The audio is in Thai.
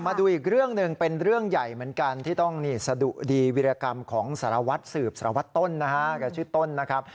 มาดูอีกเรื่องหนึ่งเป็นเรื่องใหญ่เหมือนกันที่ต้องสะดุดีวิรากรรมของสารวัตรสืบสารวัตต้นนะครับ